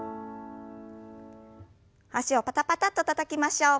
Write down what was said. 脚をパタパタッとたたきましょう。